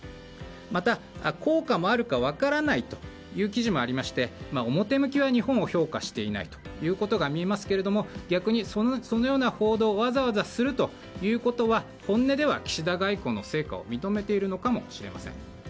また、効果もあるか分からないという記事もありまして表向きは日本を評価していないことが見えますが逆に、そのような報道をわざわざするということは本音では岸田外交の成果を認めているのかもしれません。